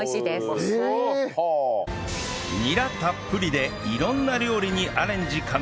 ニラたっぷりで色んな料理にアレンジ可能